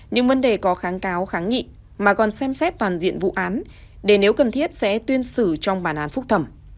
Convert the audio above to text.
những vấn đề có kháng cáo kháng nghị mà còn xem xét toàn diện vụ án để nếu cần thiết sẽ tuyên xử trong bản án phúc thẩm